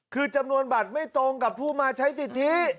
คือจำนวนบัตรไม่ตรงกับผู้มาใช้สิทธิ